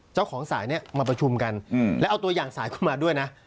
เจ้าของสายเนี่ยมาประชุมกันแล้วเอาตัวอย่างสายขึ้นมาด้วยนะ